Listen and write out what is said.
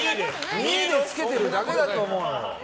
見えでつけてるだけだと思うのよ。